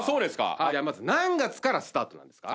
じゃあまず何月からスタートなんですか？